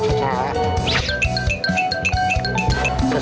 ใส่ช้าคุยกันด้วย